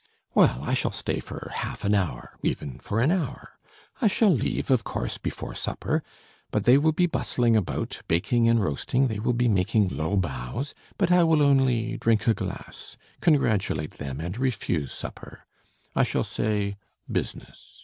Well, I shall stay for half an hour ... even for an hour; I shall leave, of course, before supper; but they will be bustling about, baking and roasting, they will be making low bows, but I will only drink a glass, congratulate them and refuse supper. I shall say 'business.'